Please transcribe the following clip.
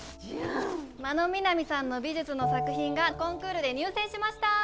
真野みなみさんの美術の作品がコンクールで入選しました！